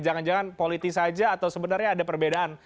jangan jangan politis saja atau sebenarnya ada perbedaan